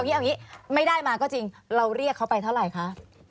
เอาอย่างนี้ไม่ได้มาก็จริงเราเรียกเขาไปเท่าไหร่คะ